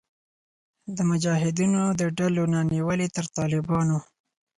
د مجاهدینو د ډلو نه نیولې تر طالبانو